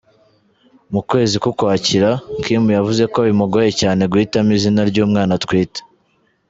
Mu kwezi k'Ukwakira, Kim yavuze ko bimugoye cyane guhitamo izina ry'umwana atwite.